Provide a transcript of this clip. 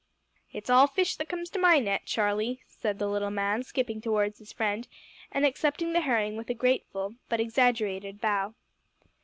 "It's all fish that comes to my net, Charlie," said the little man, skipping towards his friend, and accepting the herring with a grateful but exaggerated bow.